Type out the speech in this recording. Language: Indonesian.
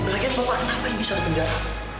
lagian bapak kenapa ini bisa di penjara